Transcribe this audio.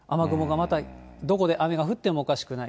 また、どこで雨が降ってもおかしくない。